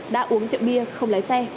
đã uống rượu bia không lái xe